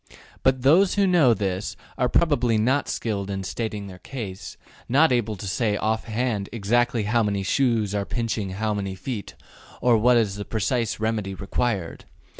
'' But those who know this are probably not skilled in stating their case, not able to say off hand exactly how many shoes are pinching how many feet, or what is the precise remedy required.